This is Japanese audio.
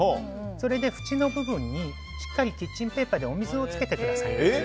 それで縁の部分にしっかりキッチンペーパーでお水をつけてください。